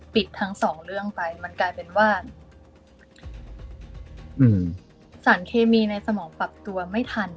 ทั้งสองเรื่องไปมันกลายเป็นว่าสารเคมีในสมองปรับตัวไม่ทัน